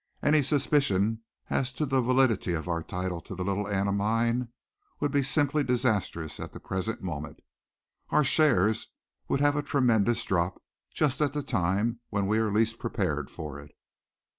Any suspicion as to the validity of our title to the Little Anna Mine would be simply disastrous at the present moment. Our shares would have a tremendous drop, just at the time when we are least prepared for it."